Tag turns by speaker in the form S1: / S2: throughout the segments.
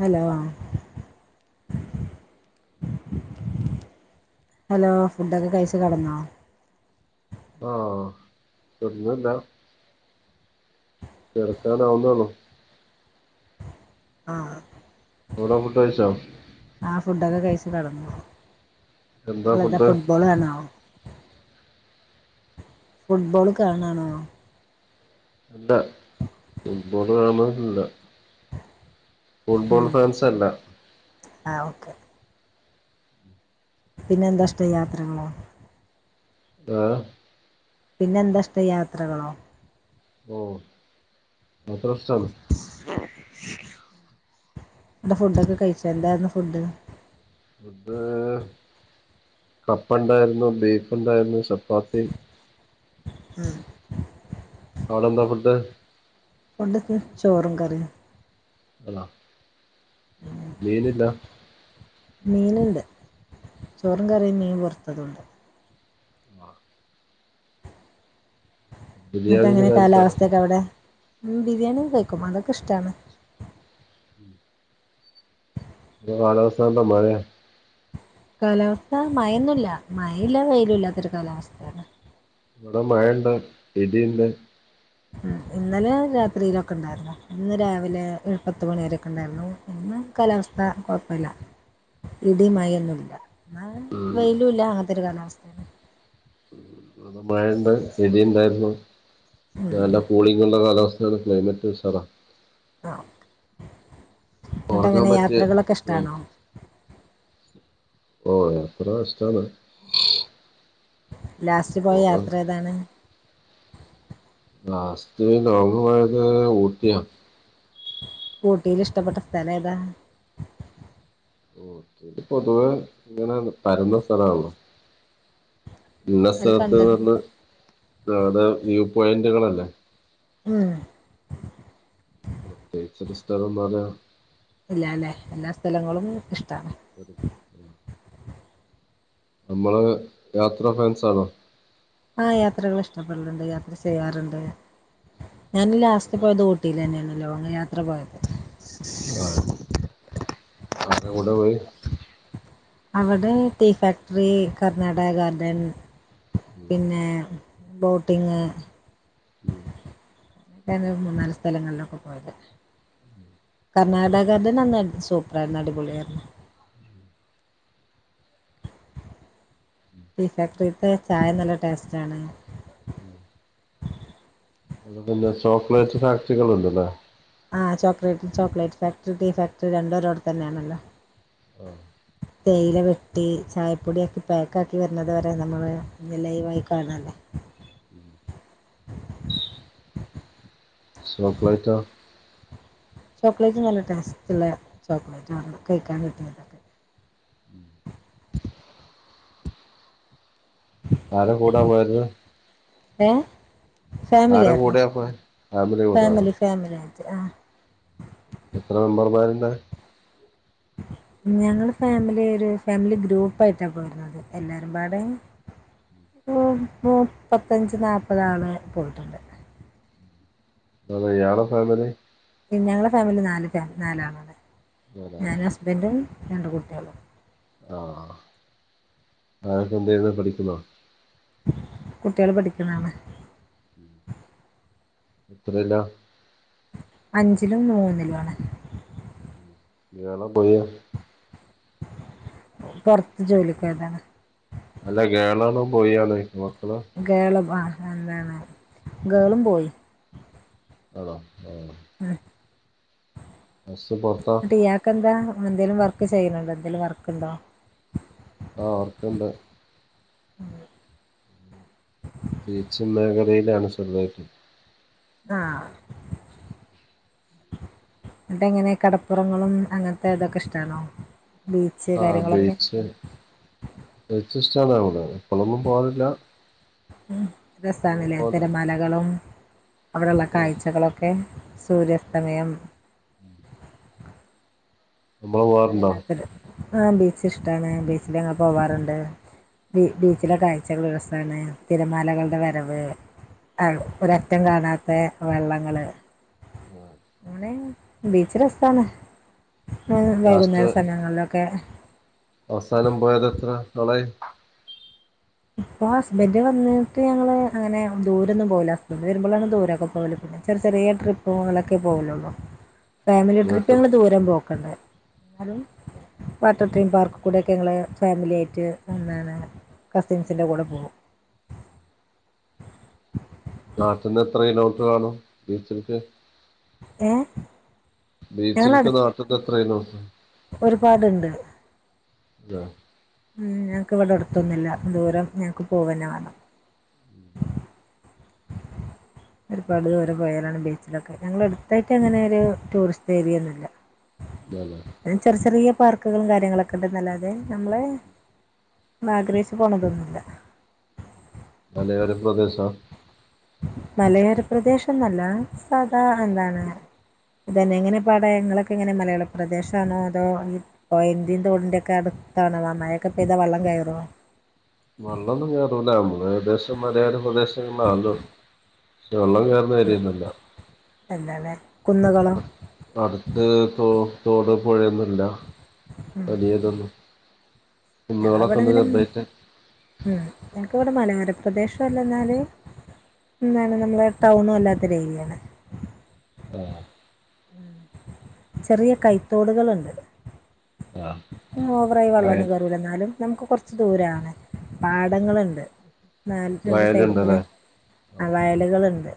S1: Hello hello ഫുഡൊക്കെ കഴിച്ച് കെടന്നോ
S2: ആഹ കെട്ന്നില്ല കെടക്കാൻ ആവുന്നൊള്ളു
S1: ആഹ്
S2: ടോ ഫുഡഴിച്ചോ
S1: ആഹ് ഫുഡൊക്കെ കഴിച്ച കടന്നു
S2: എന്താ
S1: നിങ്ങൾന്താ
S2: ഫുഡ്
S1: ഫുട്ബോൾ കാണോ ഫുട്ബോള് കാണാണോ
S2: അല്ലാ ഫുട്ബോൾ കാണല്ല ഫുട്ബോൾ
S1: ഉം
S2: ഫാൻസ് അല്ല
S1: ആഹ് ഓക്കെ പിന്നെ എന്താഷ്ടം യാത്രകളോ
S2: ആഹ്
S1: പിന്നെ എന്താഷ്ട്ടം യാത്രകളോ
S2: ഓഹ് യാത്ര ഇഷ്ട്ടാണ്
S1: എന്റെ ഫുഡൊക്കെ കഴിച്ചാ എന്തായിരുന്നു ഫുഡ്
S2: ഫുഡ് കപ്പ ഇണ്ടായിരുന്നു ബീഫ് ഇണ്ടായിരുന്നു ചപ്പാത്തി
S1: ഉം
S2: അവിടെ എന്താ ഫുഡ്
S1: കൊണ്ടൊക്ക്‌ ചോറും കറിയും
S2: ഹലോ മിനില്ല
S1: മീനുണ്ട് ചോറും കറീം മീൻ വറുത്തതുണ്ട്
S2: വ
S1: എന്നിട്ട്
S2: ബിരിയാണിന്റെ
S1: എങ്ങനെ
S2: ഫാൻസാണോ
S1: കാലാവസ്ഥയൊക്കെ അവിടെ ഉം ബിരിയാണിയക്കെ വെക്കും അതൊക്കെ ഇഷ്ടാണ്
S2: ഉം ഇത് കാലാവസ്ഥ നല്ല മഴയാ
S1: കാലാവസ്ഥ മയൊന്നില്ല മഴയില്ല വെയിലും ഇല്ലാത്തൊരു കാലാവസ്ഥയാണ്
S2: ഇവിടെ മഴണ്ട് ഇടിയൂണ്ട്
S1: ഉം ഇന്നലെ രാത്രിയിലൊ ക്കൊണ്ടാര്ന്നു ഇന്ന് രാവിലെ പത്തു മണി വരൊക്കെ ഉണ്ടായിരുന്നു ഇന്ന് കാലാവസ്ഥ കുഴപ്പമില്ല ഇടി മയൊന്നുല്ല എന്ന വെയിലൂല്ല അങ്ങനത്തൊരു കാലാവസ്ഥയാ
S2: അത് മഴണ്ട് ഇടിയുണ്ടായിരുന്നു
S1: ഉം.
S2: നല്ല കൂളിങ്ങുള്ള കാലാവസ്ഥയാണ് ക്ലൈമറ്റ് ഉസാറ
S1: ആ എന്നിട്ട്
S2: ഉറങ്ങാൻ
S1: അങ്ങനെ
S2: പറ്റിയ
S1: യാത്രകളൊക്കെ ഇഷ്ടാണോ
S2: സ്ഥലത്ത് ഓ യാത്ര ഇഷ്ടാണ്
S1: ലാസ്റ്റ് പോയ
S2: പോകാൻ
S1: യാത്ര ഏതാണ്
S2: ലാസ്റ്റ് ലോങ്ങ്‌ പോയത് ഊട്ടിയാ
S1: ഊട്ടീല് ഇഷ്ടപ്പെട്ട സ്ഥലം ഏതാ
S2: ഊട്ടീല് പൊതുവേ ഇങ്ങനെ പരന്ന സ്ഥലാണല്ലോ ഇന്ന
S1: അതിൽ
S2: സ്ഥലത്ത്ന്ന്
S1: കണ്ടത്
S2: പറഞ്ഞ് അവിടെ വ്യൂ പോയിന്റുകളല്ലേ
S1: ഉം
S2: പ്രത്യേകിച്ചൊരു സ്ഥലന്ന്‌ പറഞ്ഞ
S1: ഇല്ലാല്ലെ എല്ലാ സ്ഥലങ്ങളും ഇഷ്ടാണ്
S2: ഒരു നമ്മള് യാത്ര ഫാൻസാണോ
S1: ആഹ് യാത്രകള് ഇഷ്ടപ്പെടല്ണ്ട് യാത്ര ചെയ്യാറ്ണ്ട് ഞാൻ ലാസ്റ്റ് പോയത് ഊട്ടിലെന്നെയാണ് ലോങ്ങ്‌ യാത്ര പോയത്
S2: ആഹ് ആർടെ കൂടെ പോയി
S1: അവടെ ടീ ഫാക്ടറി കർണാടക ഗാർഡൻ
S2: ഉം,
S1: പിന്നെ ബോട്ടിങ്
S2: ഉം
S1: രണ്ട് മൂന്നാല് സ്ഥലങ്ങളിലൊക്കെ പോയത് കർണാടക ഗാർഡൻ അന്ന് സൂപ്പറായിരുന്നു അടിപൊളിയാർന്നു ടീ ഫാക്ടറിത്തെ ചായ നല്ല ടേസ്റ്റ് ആണ്
S2: ഉം. അവിടെ പിന്നെ ചോക്ലേറ്റ് ഫാക്ടറികള് ഉണ്ട്ലേ
S1: ആഹ് chocolate chocolate factory tea factory രണ്ടോരോടത്തന്നെണല്ലോ.
S2: ആഹ്
S1: [inaudible] തേയില വെട്ടി ചായപ്പൊടിയാക്കി പാക്ക് ആക്കി വരണത് വരെ നമ്മള് ലൈവായി കാണല്ലേ
S2: ചോക്ലേറ്റോ.
S1: ചോക്ലേറ്റ് നല്ല ടേസ്റ്റ്ള്ള ചോക്ലേറ്റ് ആണ് കയ്ക്കാൻ കിട്ടിയത്
S2: ആരെ കൂടാ പോയത്
S1: ഏഹ്
S2: ആരെ
S1: ഫാമിലിയാർന്നു
S2: കൂടെയാ പോയെ കൂടെയോ
S1: ഫാമിലി ഫാമിലി കാണിച്ച് ആഹ്
S2: എത്ര മെമ്പർമാര്ണ്ട്
S1: ഞങ്ങള് ഫാമിലി ഒരു ഫാമിലി ഗ്രൂപ്പായിട്ട പോയിരുന്നത് എല്ലാരുംപാടെ മുപ്പത്തഞ്ച് നാപ്പത് ആള് പോയിട്ടുണ്ട്
S2: അതെ ഇയാളെ ഫാമിലി
S1: ഞങ്ങളെ ഫാമിലി നാല് ഫാമി നാലാളാണ്
S2: നാലാളാ
S1: ഞാനും ഹസ്ബൻഡും രണ്ട് കുട്ടികളും
S2: ആഹ് പിള്ളേരൊക്കെ എന്തെയ്യിന്നെ പഠിക്കുന്നോ?
S1: കുട്ടികള് പഠിക്ക്ണാണ്
S2: എത്രയില?
S1: അഞ്ചിലും മൂന്നിലും ആണ്
S2: ഗേളോ, ബോയിയോ?
S1: പൊറത്ത് ജോലിക്ക് പോയതാണ്.
S2: അല്ല ഗേളാണോ ബോയിയാണോ ചോയ്ക്ക മക്കള്?
S1: ഗേള് ആഹ് എന്താണ് ഗേളും, ബോയിം
S2: ആണോ? ആഹ്
S1: ആഹ്
S2: ഹസ്സ് പൊറത്ത?
S1: ഇങ്ങക്കെന്താ എന്തേലും വർക്ക് ചെയ്യിണ് ണ്ടോ? എന്തേലും വർക്കുണ്ടോ?
S2: ആഹ് വർക്കുണ്ട് ടീംച്ചിംഗ് മേഖലയിലാണ് ചെറുതായിട്ട്
S1: ആഹ് എന്നിട്ടെങ്ങനെ കടപ്പുറങ്ങളും അങ്ങനത്തെ ഇതൊക്കെ ഇഷ്ട്ടാണോ? ബീച്ച്
S2: ആഹ്
S1: കാര്യങ്ങളൊക്കെ?
S2: ബീച്ച് ബീച്ച് ഇഷ്ട്ടാണ് അവിടെ എപ്പളൊന്നും പോവാറില്ല എന്നാ പോ
S1: അവിടെയുള്ള കാഴ്ചകളൊക്കെ
S2: ഓഹ്
S1: സൂര്യാസ്തമയം
S2: നമ്മള്
S1: അത്
S2: പോവാറുണ്ടോ
S1: വല്ലാത്തൊരു ആഹ് ബീച്ച് ഇഷ്ട്ടാണ് ബീച്ചില് ഞ്ഞങ്ങള് പോവാറുണ്ട് ബീച്ചിലെ കാഴ്ചകൾ രസാണ് തിരമാലകളുടെ വരവ് അഹ് ഒരറ്റം കാണാത്ത വെള്ളങ്ങള് അങ്ങനെ ബീച്ച് രസാണ് വൈകുന്നേര
S2: ലാസ്റ്റ്
S1: സമയങ്ങളിലൊക്ക ക്കെ
S2: അവസാനം പോയത് എത്ര നാളായി?
S1: ഇപ്പൊ ഹസ്ബൻഡ് വന്നിട്ട് ഞങ്ങള് അങ്ങനെ ദൂരൊന്നും പോവൂല ഹസ്ബൻഡ് വരുമ്പളാണ് ദൂരമൊക്കെ പോവല് പിന്നെ ചെറിയ ചെറിയ ട്രിപ്പ്കളൊക്കെ പോകലൊള്ളൂ! ഫാമിലി ട്രിപ്പ്
S2: വീട്ട്
S1: ഞങ്ങള് ദൂരം പോക്ക്ണ്ട് എല്ലാരും
S2: ആണോ?
S1: വാട്ടർ തീം പാർക്ക് കൂടെയെക്കെ ഞങ്ങള് ഫാമിലിയായിട്ട് വന്നാണ് കസിൻസിൻ്റെ കൂടെ പോകും
S2: നാട്ടിൽന്ന് എത്ര കിലോമീറ്റർ കാണും ബീച്ചിൽക്ക്?
S1: ഏഹ്?
S2: ബീച്ചിൽക്ക് നാട്ട്ന്ന് എത്ര കിലോമീറ്റർ?
S1: ഒരുപാട്ണ്ട്
S2: അതെ
S1: ഉം ഞങ്ങക്ക് ഇവടെ അടത്തൊന്നുല്ല ദൂരം ഞങ്ങക്ക് പോവന്നെ വേണം ഒരുപാട് ദൂരം പോയാലാണ് ബീച്ചിലൊക്കെ ഞങ്ങളെ എടുത്തായിട്ട് അങ്ങനെ ഒരു ടൂറിസ്റ്റ് ഏരിയൊന്നുമില്ല
S2: ഇല്ല്യലേ?
S1: പിന്നെ ചെറിയ ചെറിയ പാർക്കുകളും കാര്യങ്ങളൊക്കെ ഇണ്ടന്നല്ലാതെ നമ്മളെ- ആഗ്രഹിച്ച് പോണതൊന്നുല്ല
S2: മലയോര പ്രദേശം
S1: മലയോര പ്രദേശൊന്നു അല്ലാ സാദാ എന്താണ് ഇതന്നെ എങ്ങനേപ്പാടെ ഇങ്ങളൊക്കെ എങ്ങനെ മലയാള പ്രദേശാണോ അതോ പൊയന്റിം തോടിന്റി ഒക്കെ അടുത്താണോ [unintelligible] മയൊക്കെ പെയ്താ വെള്ളം കയറോ
S2: വെള്ളൊന്നും കേറൂല നമ്മള് ഏകദേശം മലയോര പ്രദേശങ്ങ [unintelligible] വെള്ളം കേറ [unintelligible]
S1: എല്ലാലെ കുന്നുകളോ?
S2: അടുത്ത് തോ തോട് പുഴയൊന്നുല്ല
S1: ഉം
S2: വലിയതൊന്നും
S1: ഞങ്ങളവിടെ
S2: കുന്നുകളൊക്കെണ്ട്
S1: ഇങ്ങനെ
S2: ചെറുതായിട്ട്
S1: ഉം എനക്ക് ഇവിടെ മലയോര പ്രദേശല്ല എന്നാല് എന്നാലും നമ്മളെ ടൗണും അല്ലാത്ത ഒരു ഏരിയാണ്
S2: ആഹ്
S1: ചെറിയ കൈത്തോടുകളുണ്ട്
S2: ആഹ്
S1: ഓവറായി വെള്ളൊന്നും
S2: വയൽ
S1: കേറൂല എന്നാലും നമുക്ക് കൊർച്ച് ദൂരാണ് പാടങ്ങളുണ്ട് നാല് രണ്ട് സൈഡ് കൂടി
S2: വയലുണ്ടല്ലേ
S1: ആ
S2: ആഹ്
S1: വയലുകളുണ്ട്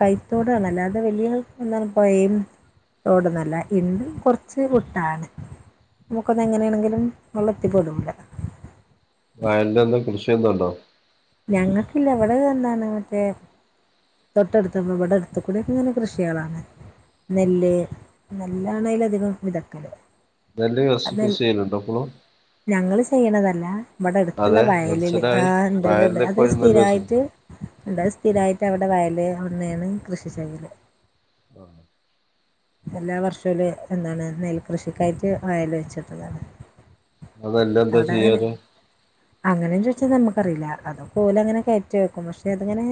S1: കൈത്തോടാണ് അല്ലാതെ വലിയ എന്താണ് പൊയിം തോട്ന്നല്ല ഇണ്ട് കൊർച്ച് വിട്ടാണ് നമുക്കത് എങ്ങനേണെങ്കിലും വെള്ളം എത്തിപ്പെടൂല
S2: വയൽല്ല് എന്തോ കൃഷി എന്തോണ്ടോ
S1: ഞങ്ങക്കില്ല ഇവിടെതെന്താണ് എന്താണ് മറ്റേ തൊട്ടടുത്ത് [unintelligible] ഇവടെ അടുത്ത്കൂടി ഇങ്ങനെ കൃഷിയാളാണ് നെല്ല് നെല്ലാണയ്ലധികം വിതക്കല്
S2: നെല്ല് കൃഷി കൃഷി ചെയ്യല്ണ്ടോ ഇപ്പളും
S1: ഞങ്ങള് ചെയ്യ്ണതല്ല ബടെ അടുത്തുള്ള
S2: അതെ
S1: വയലില്
S2: മനസ്സിലായി
S1: ആഹ് ണ്ട്ണ്ട്ണ്ട്
S2: വയലില്
S1: അത്
S2: ഇപ്പഴും നെല്ല് കൃഷി
S1: സ്ഥിരായിറ്റ് എന്താണ് സ്ഥിരായിട്ട് ന്റവിടെ വയലി തന്നെയാണ് കൃഷി ചെയ്യല്
S2: ആഹ്
S1: എല്ലാ വർഷവും ഓല് എന്താണ് നെൽകൃഷിക്കായിട്ട് വയല് ഒഴിച്ചിടുന്നതാണ്
S2: അതെല്ലാം എന്താ ചെയ്യാത്
S1: അങ്ങനെ ചോദിച്ചാൽ നമുക്കറിയില്ല അത് പോലങ്ങനെ കയറ്റി വെക്കും പക്ഷേ അതങ്ങനെ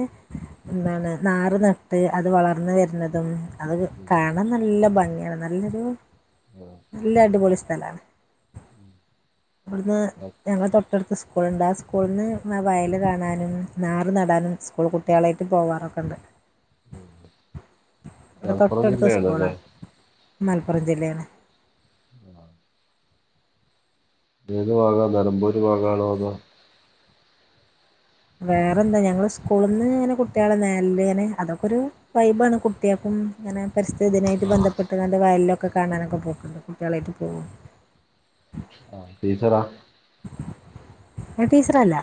S1: എന്താണ് നാറ് നട്ട് അത് വളർന്ന് വരുന്നതും അത് കാണാൻ നല്ല ഭംഗിയാണ് നല്ലൊരു
S2: ഉം
S1: നല്ല അടിപൊളി സ്ഥലാണ് ഇവിടുന്ന് ഞങ്ങള തൊട്ടടുത്ത് സ് സ്കൂൾണ്ട് ആ സ്കൂൾന്ന് വയല് കാണാനും നാറ് നടാനും സ്കൂൾ കുട്ടികളായിട്ട് പോവാറൊക്കെണ്ട് ഇവിടെ
S2: മലപ്പുറം
S1: തൊട്ടടുത്ത സ്കൂ
S2: ജില്ലയാണല്ലേ
S1: മലപ്പുറം ജില്ലയാണ്
S2: ആണോ ഏത് വാഗാ നിലമ്പൂർ വാഗാണോ അതോ
S1: വേറെന്താ ഞങ്ങള് സ്കൂൾന്ന് ഇങ്ങനെ കുട്ടികളെ [unintelligible] ഇങ്ങനെ അതൊക്കെരു വൈബാണ് കുട്ട്യാക്കും ഇങ്ങനെ പരിസ്ഥിതി ദിനായിട്ട് ബന്ധപ്പെട്ട്ക്കാണ്ട് വയലിലൊക്കെ കാണാനൊക്കെ പോക്കുണ്ട് കുട്ട്യാളേറ്റ് പോകും
S2: ആഹ് ടീച്ചറാ
S1: [unintelligible] ടീച്ചറല്ല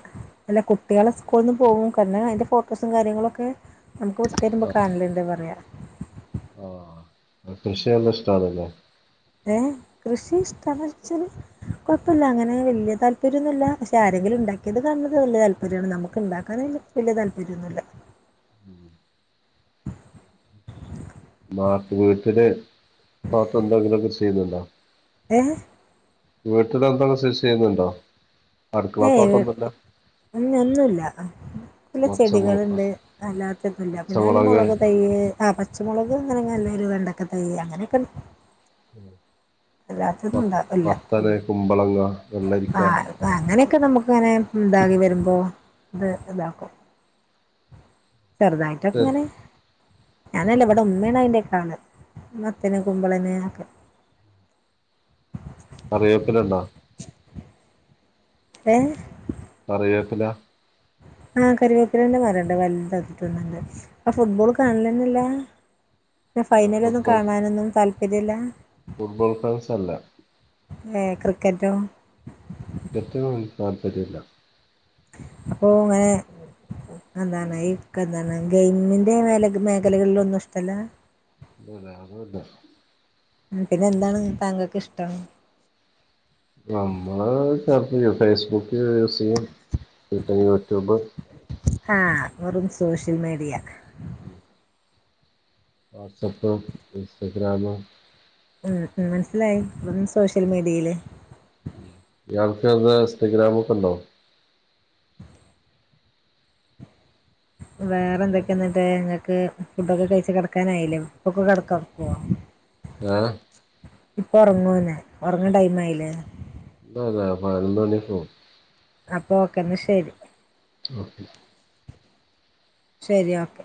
S1: അല്ല കുട്ട്യാളെ സ്ക്കു സ്കൂൾന്ന് പോവും [unintelligible] അതിൻ്റെ ഫോട്ടോസും കാര്യങ്ങളൊക്കെ നമുക്ക് വിട്ടരുമ്പോ കാണലുണ്ട് പറയാ
S2: ആഹ്. നിങ്ങൾക്ക് കൃഷി നല്ല ഇഷ്ടം ആണല്ലേ
S1: ഏഹ് കൃഷി ഇഷ്ടാണ് എന്ന് വെച്ചാല് കുഴപ്പല്ല അങ്ങനെ വലിയ താല്പര്യന്നു അല്ല പക്ഷെ ആരെങ്കിലും ഉണ്ടാക്കിയത് കാണുന്നത് വലിയ താല്പര്യാണ് നമുക്ക് ഉണ്ടാക്കാന വലിയ താല്പര്യൊന്നുല്ല
S2: ഉം നാ വീട്ടില് [unintelligible] ചെയ്യുന്നുണ്ടോ
S1: ഏഹ്
S2: വീട്ടിൽ എന്തെങ്കിലും കൃഷി ചെയ്യുന്നുണ്ടോ [unintelligible] ഒന്നുല്ലാ
S1: ഉം ഒന്നുല്ല നല്ല
S2: പച്ചമുള
S1: ചെടികള് ഉണ്ട് അല്ലാത്ത ഒന്നുല്ല പിന്നെ നല്ല
S2: പച്ചമുളക്
S1: മുളക് തൈയ്യ് ആ പ പച്ചമുളക് അങ്ങന നല്ല ഒരു വെണ്ടക്ക തൈ അങ്ങനെ ഒക്കെ ഉണ്ട്
S2: മ
S1: ഉണ്ടാ ഇല്ല
S2: മത്തന് കുമ്പളങ്ങ വെള്ളരിക്ക
S1: അത് അങ്ങനെയൊക്കെ നമുക്ക് ഇങ്ങനെ ഇതായി വരുമ്പോ ഇത് ഇതാക്കും ചെറുതായിട്ടൊക്കെ
S2: മറ്റേ
S1: ഇങ്ങനെ ഞാനല്ല ഇവിടെ ഉമ്മാണ് അതിന്റെ ഒക്കെ ആള് മത്തന്
S2: ആ
S1: കുമ്പളങ്ങെ ഒക്കെ
S2: കറിവേപ്പില ഉണ്ടോ
S1: ഏഹ്
S2: കറിവേപ്പില
S1: ആഹ് കറിവേപ്പിലന്റെ മരം ഉണ്ട് വലുതായിട്ട് ഒന്നുണ്ട് അപ്പൊ ഫുട്ബോൾ കാണലന്നെ ഇല്ല അപ്പ
S2: ആ,
S1: ഫൈനലൊന്നും
S2: ഫുട്ബോൾ
S1: കാണാനൊന്നും താല്പര്യല്ല
S2: ഫുട്ബോൾ ഫാൻസ് അല്ല
S1: ഏഹ് ക്രിക്കറ്റോ
S2: ക്രിക്കറ്റും എനിക്ക് താല്പര്യല്ല
S1: അപ്പൊ ഏഹ് എന്താണ് [unintelligible] ഗെയിമിൻ്റെ മേല മേഖലകളിലൊന്നും ഇഷ്ടല്ലാ
S2: [unintelligible]
S1: പിന്നെ എന്താണ് താങ്കൾക്ക് ഇഷ്ടം
S2: നമ്മള് ചെലപ്പോ ഫേസ്ബുക്ക് യൂസ് ചെയ്യും പിന്നെ യൂട്യൂബ്
S1: ആഹ് വെറും സോഷ്യൽ മീഡിയ
S2: ഉം വാട്സപ്പും ഇൻസ്റ്റഗ്രാമും
S1: ഉം ഉം മനസ്സിലായി വെറും സോഷ്യൽ മീഡിയയില്
S2: ഉം ഇയാൾക്ക് എന്താ ഇൻസ്റ്റഗ്രാമ് ഒക്കെ ഉണ്ടോ
S1: വേറെ
S2: ആ,
S1: എന്തൊക്കെ ഇന്ന ദേ നിങ്ങക്ക് ഫുഡൊക്കെ കഴിച്ച് കിടക്കാനായില്ലൊ ഇപ്പൊക്കെ [unintelligible]
S2: [unintelligible]
S1: ഇപ്പൊ ഒറങ്ങോ എന്ന് ഒറങ്ങണ ടൈം ആയില്ലേ
S2: ഇപ്പ അതെ പതിനൊന്നു മണി ഒക്കെ ആവും
S1: അപ്പൊ ഓക്കെ എന്നാ ശരി
S2: ഓക്കെ
S1: ശരി ഓക്കെ